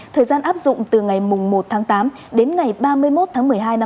thời gian áp dụng từ ngày một tháng tám đến ngày ba mươi một tháng một mươi hai năm hai nghìn hai mươi